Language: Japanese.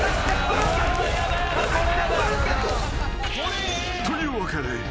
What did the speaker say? ［というわけで］